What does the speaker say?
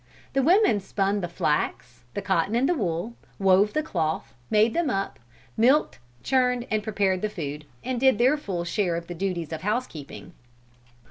The women spun the flax, the cotton and the wool, wove the cloth, made them up, milked, churned and prepared the food, and did their full share of the duties of housekeeping.